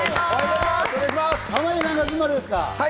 濱家は何月生まれですか？